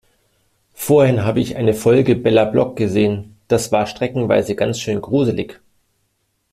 Vorhin habe ich eine Folge Bella Block gesehen, das war streckenweise ganz schön gruselig.